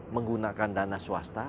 menggunakan dana swasta